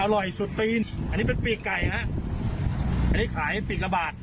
อร่อยสุดปีนอันนี้เป็นปีกไก่ฮะอันนี้ขายปีกละบาท